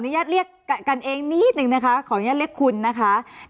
ญาตเรียกกันเองนิดนึงนะคะขออนุญาตเรียกคุณนะคะ